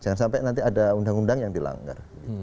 jangan sampai nanti ada undang undang yang dilanggar